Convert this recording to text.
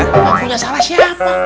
tak punya salah siapa